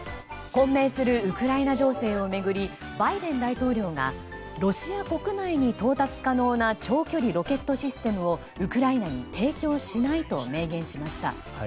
混迷するウクライナ情勢を巡りバイデン大統領がロシア国内に到達可能な長距離ロケットシステムをウクライナに提供しないと明言しました。